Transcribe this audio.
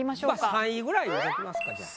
３位ぐらい見ときますかじゃあ。